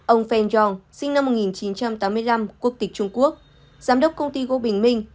ông feng yong sinh năm một nghìn chín trăm tám mươi năm quốc tịch trung quốc giám đốc công ty gỗ bình minh